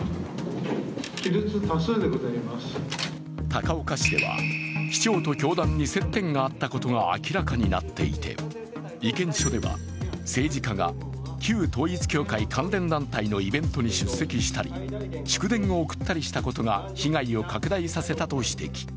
高岡市では市長と教団に接点があったことが明らかになっていて意見書では、政治家が旧統一教会関連団体のイベントに出席したり祝電を送ったりしたことが被害を拡大させたと指摘。